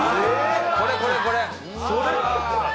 これこれ、これ！